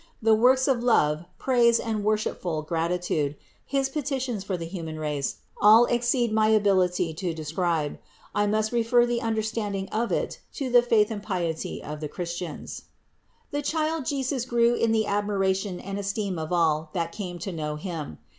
The works of love, praise and worshipful gratitude, his petitions for the human race, all exceed my ability to describe. I must refer the understanding of it to the faith and piety of the Christians. 696. The Child Jesus grew in the admiration and es teem of all that came to know Him.